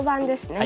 はい。